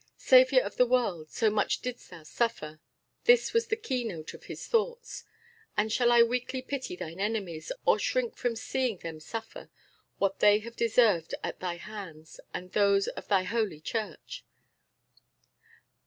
"Saviour of the world, so much didst thou suffer," this was the key note of his thoughts; "and shall I weakly pity thine enemies, or shrink from seeing them suffer what they have deserved at thy hands and those of thy holy Church?"